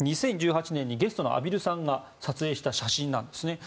２０１８年にゲストの畔蒜さんが撮影した写真なんです。